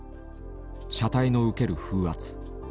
車体の受ける風圧。